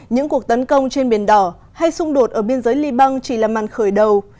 những cuộc tấn công trên biển đỏ hay xung đột ở biên giới liban chỉ là màn khởi đầu